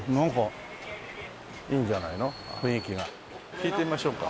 聞いてみましょうか。